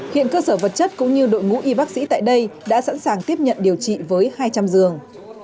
hiện cơ sở vật chất cũng như đội ngũ y bác sĩ tại đây đã sẵn sàng tiếp nhận điều trị với hai trăm linh giường